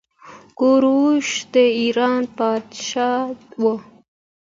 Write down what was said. کوروش د ايران پاچا وه.